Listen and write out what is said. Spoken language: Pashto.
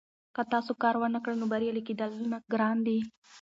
که تاسو کار ونکړئ نو بریالي کیدل ګران دي.